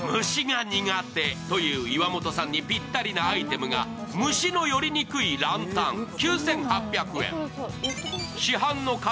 虫が苦手という岩本さんにぴったりなアイテムが虫の寄りにくいランタン。